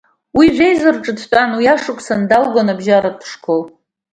Уи жәеиза рҿы дтәан, уи ашықәсаны далгон абжьаратәи ашкол.